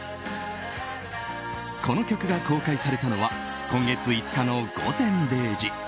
この曲が公開されたのは今月５日の午前０時。